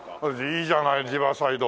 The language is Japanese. いいじゃないリバーサイド。